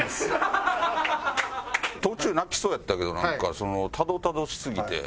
途中泣きそうやったけどなんかそのたどたどしすぎて。